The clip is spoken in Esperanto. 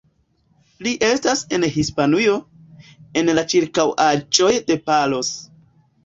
Li estas en Hispanujo, en la ĉirkaŭaĵoj de Palos.